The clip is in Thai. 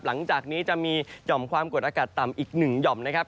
หลังจากนี้จะมีหย่อมความกดอากาศต่ำอีกหนึ่งหย่อมนะครับ